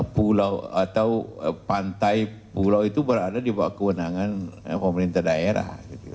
pulau atau pantai pulau itu berada di bawah kewenangan pemerintah daerah